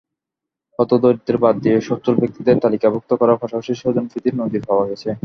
হতদরিদ্রদের বাদ দিয়ে সচ্ছল ব্যক্তিদের তালিকাভুক্ত করার পাশাপাশি স্বজনপ্রীতির নজির পাওয়া গেছে।